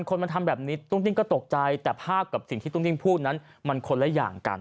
คนมันทำแบบนี้ตุ้งติ้งก็ตกใจแต่ภาพกับสิ่งที่ตุ้งติ้งพูดนั้นมันคนละอย่างกัน